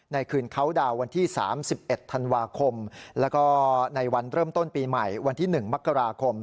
คืนเขาดาวน์วันที่๓๑ธันวาคมแล้วก็ในวันเริ่มต้นปีใหม่วันที่๑มกราคม